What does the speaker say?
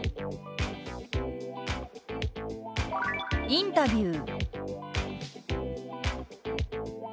「インタビュー」。